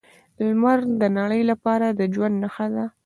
لمر د نړۍ لپاره د ژوند نښه ده.